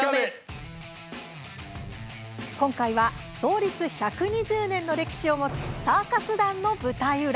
今回は創立１２０年の歴史を持つサーカス団の舞台裏。